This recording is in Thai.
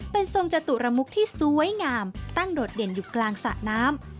เป็นทรงจตุรมุกที่สวยงามตั้งโดดเด่นอยู่กลางสระน้ำ